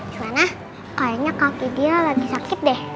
cuma kayaknya kaki dia lagi sakit deh